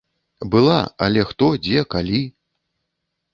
Была, але хто, дзе, калі?